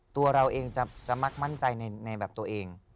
ตัวเราเองจะมักมั่นใจในแบบตัวเอง